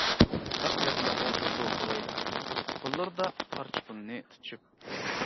داق يەردىلا ئولتۇرىدۇ بوۋايلار، قوللىرىدا پارچە پۇلنى تۇتۇشۇپ.